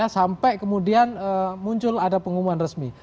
sampai kemudian muncul ada pengumuman resmi